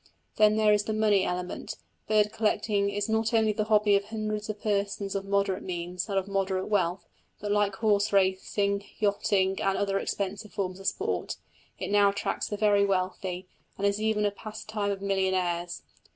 Then there is the money element; bird collecting is not only the hobby of hundreds of persons of moderate means and of moderate wealth, but, like horse racing, yachting, and other expensive forms of sport, it now attracts the very wealthy, and is even a pastime of millionaires.